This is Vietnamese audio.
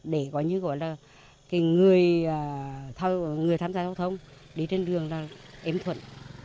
để người tham gia giao thông đến trên đường là ếm thuận